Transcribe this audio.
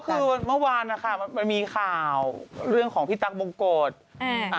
คือเมื่อวานนะคะมันมีข่าวเรื่องของพี่ตั๊กบงกฎอืม